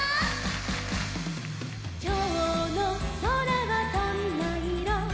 「きょうのそらはどんないろ？」